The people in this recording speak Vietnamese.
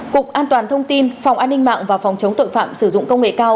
cục an toàn thông tin phòng an ninh mạng và phòng chống tội phạm sử dụng công nghệ cao